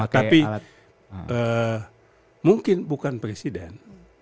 tapi mungkin bukan presiden